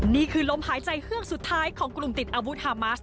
นี่คือลมหายใจเฮือกสุดท้ายของกลุ่มติดอาวุธฮามัส